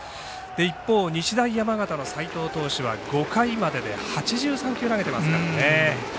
一方、日大山形の齋藤投手は５回までで８３球投げてますからね。